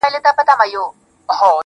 • د دې وطن د هر يو گل سره کي بد کړې وي.